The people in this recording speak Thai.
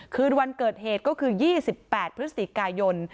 คืนวันเกิดเหตุก็คือ๒๘พฤศจิกายน